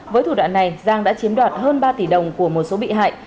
với thủ đoạn này giang đã chiếm đoạt hơn ba tỷ đồng của một số bị hại